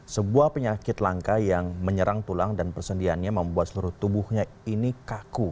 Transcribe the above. sebuah penyakit langka yang menyerang tulang dan persendiannya membuat seluruh tubuhnya ini kaku